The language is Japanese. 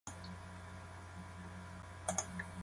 千葉県市原市